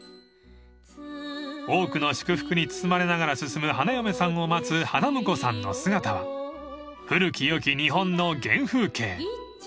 ［多くの祝福に包まれながら進む花嫁さんを待つ花婿さんの姿は古きよき日本の原風景］